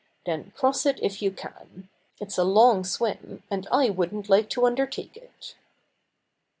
Then cross it, if you can. It's a long swim, and I wouldn't like to undertake it."